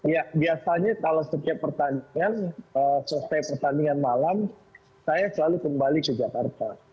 ya biasanya kalau setiap pertandingan selesai pertandingan malam saya selalu kembali ke jakarta